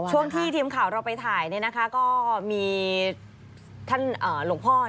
ช่วงที่ทีมข่าวเราไปถ่ายก็มีท่านหลวงพ่อ